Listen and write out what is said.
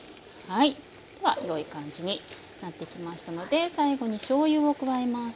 ではよい感じになってきましたので最後にしょうゆを加えます。